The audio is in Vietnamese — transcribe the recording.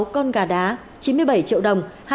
một mươi sáu con gà đá chín mươi bảy triệu đồng